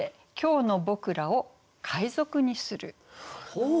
ほう！